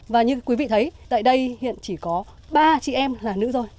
và như quý vị thấy tại đây hiện chỉ có ba chị em là nữ rồi